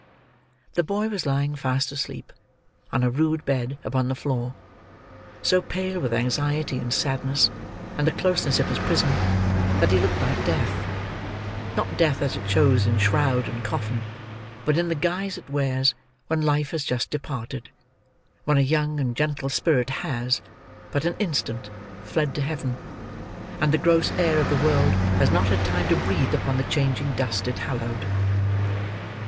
The boy was lying, fast asleep, on a rude bed upon the floor; so pale with anxiety, and sadness, and the closeness of his prison, that he looked like death; not death as it shows in shroud and coffin, but in the guise it wears when life has just departed; when a young and gentle spirit has, but an instant, fled to Heaven, and the gross air of the world has not had time to breathe upon the changing dust it hallowed.